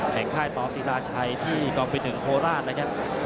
แห่งค่ายตาร์สีราชัยที่กรอมเป็นแห่งโคลราชนะครับ